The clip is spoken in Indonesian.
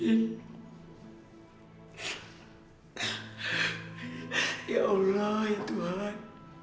ya allah ya tuhan